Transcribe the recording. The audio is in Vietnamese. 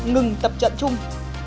ngừng tập trận chung